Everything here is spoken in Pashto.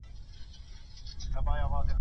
د مېوو په خوړلو سره بدن قوي کیږي.